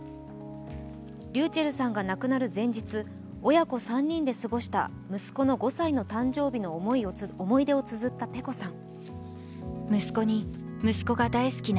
ｒｙｕｃｈｅｌｌさんが亡くなる前日、親子３人で過ごした息子の５歳の誕生日の思い出をつづったｐｅｃｏさん。